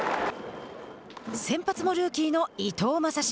先発もルーキーの伊藤将司。